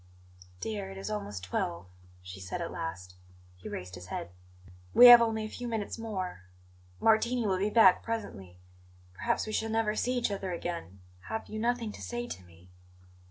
"Dear, it is almost twelve," she said at last. He raised his head. "We have only a few minutes more; Martini will be back presently. Perhaps we shall never see each other again. Have you nothing to say to me?"